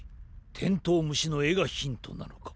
テントウムシのえがヒントなのか？